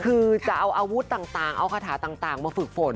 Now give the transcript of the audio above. คือจะเอาอาวุธต่างเอาคาถาต่างมาฝึกฝน